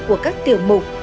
của các tiểu mục